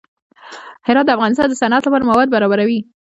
هرات د افغانستان د صنعت لپاره مواد برابروي.